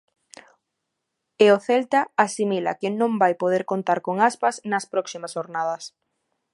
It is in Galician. E o Celta asimila que non vai poder contar con Aspas nas próximas xornadas.